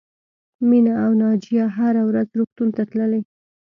مینه او ناجیه هره ورځ روغتون ته تللې